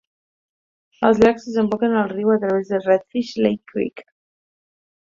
Els llacs desemboquen al riu a través de Redfish Lake Creek.